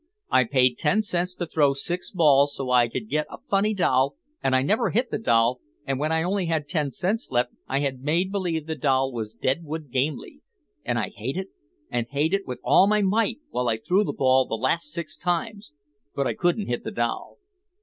I paid ten cents to throw six balls so I could get a funny doll and I never hit the doll and when I only had ten cents left I made believe the doll was Deadwood Gamely and I hated and hated with all my might while I threw the ball the last six times but I couldn't hit the doll."